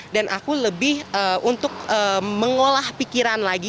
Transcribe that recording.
dan aku lebih untuk mengolah pikiran lagi